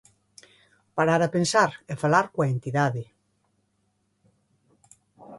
Parar a pensar e falar coa entidade.